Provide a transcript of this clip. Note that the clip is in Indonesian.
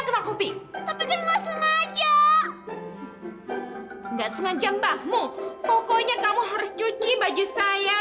kemakopi tapi nggak sengaja nggak sengaja mbahmu pokoknya kamu harus cuci baju saya